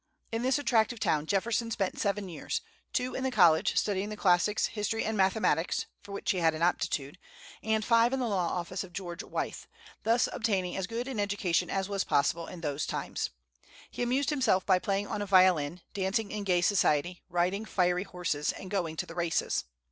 In this attractive town Jefferson spent seven years, two in the college, studying the classics, history, and mathematics (for which he had an aptitude), and five in the law office of George Wythe, thus obtaining as good an education as was possible in those times. He amused himself by playing on a violin, dancing in gay society, riding fiery horses, and going to the races.